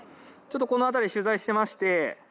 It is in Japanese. ちょっとこの辺り取材してまして。